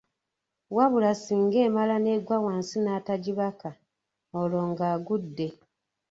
Wabula singa emala n’egwa wansi n’atagibaka, olwo ng’agudde.